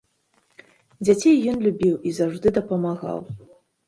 Дзяцей ён любіў і заўжды дапамагаў.